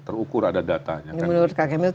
terukur ada datanya menurut kak kemil